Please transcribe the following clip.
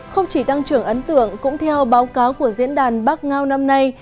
không chỉ tăng trưởng ấn tượng cũng theo báo cáo của diễn đàn bắc ngao năm nay